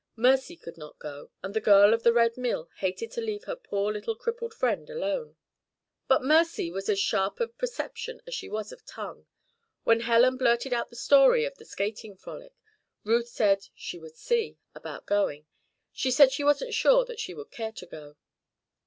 Mercy could not go, and the girl of the Red Mill hated to leave her poor little crippled friend alone. But Mercy was as sharp of perception as she was of tongue. When Helen blurted out the story of the skating frolic, Ruth said "she would see" about going; she said she wasn't sure that she would care to go.